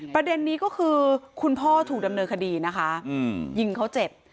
ประเด็นนี้ก็คือคุณพ่อถูกดำเนินคดีนะคะอืมยิงเขาเจ็บ